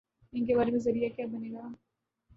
ان کے بارے میں ذریعہ کیا بنے گا؟